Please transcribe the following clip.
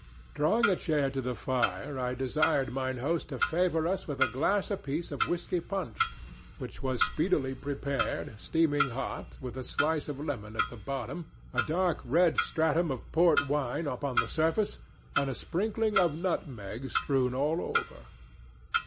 Drawing a chair to the fire, I desired mine host to favor us with a glass apiece of whiskey punch, which was speedily prepared, steaming hot, with a slice of lemon at the bottom, a dark red stratum of port wine upon the surface and a sprinkling of nutmeg strewn over all.